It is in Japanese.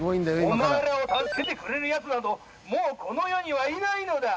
お前らを助けてくれるやつなどもうこの世にはいないのだ！